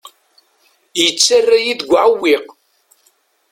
Yettarra-yi deg uɛewwiq.